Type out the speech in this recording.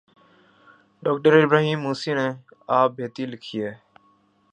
ڈاکٹرابراہیم موسی نے آپ بیتی لکھی ہے۔